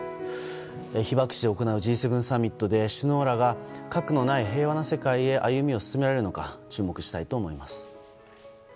被爆地で行うＧ７サミットで首脳らが核のない平和な世界へ歩みを進められるのか注目したいと思います。